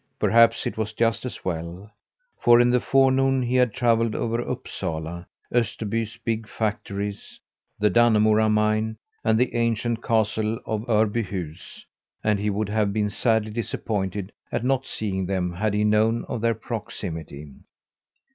Perhaps it was just as well, for in the forenoon he had travelled over Upsala, Österby's big factories, the Dannemora Mine, and the ancient castle of Örbyhus, and he would have been sadly disappointed at not seeing them had he known of their proximity.